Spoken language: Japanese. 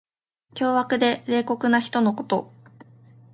凶悪で冷酷な人のこと。